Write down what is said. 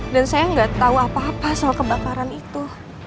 dan saya gak tau apa apa soal kebakaran itu